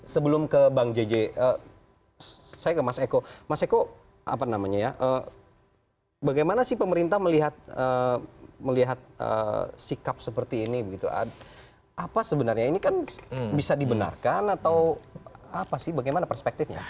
sebelum ke bang jj saya ke mas eko mas eko apa namanya ya bagaimana sih pemerintah melihat sikap seperti ini apa sebenarnya ini kan bisa dibenarkan atau apa sih bagaimana perspektifnya